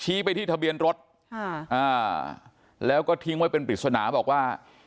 ไปที่ทะเบียนรถค่ะอ่าแล้วก็ทิ้งไว้เป็นปริศนาบอกว่า